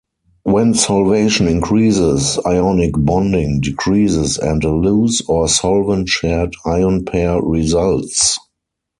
When solvation increases, ionic bonding decreases and a "loose" or "solvent-shared" ion pair results.